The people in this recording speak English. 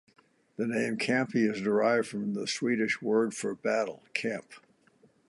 The name "Kamppi" is derived from the Swedish word for battle, "kamp".